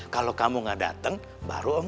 kalau kamu gak dateng bakal jadi paham ya